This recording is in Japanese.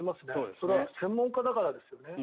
それは専門家だからですよね。